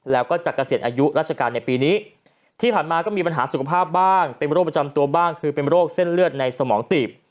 แล้วก็จะเกษียณอายุราชการในปีนี้ที่ผ่านมาก็มีปัญหาสุขภาพบ้างเป็นโรคประจำตัวบ้างคือเป็นโรคเส้นเลือดในสมองตีบ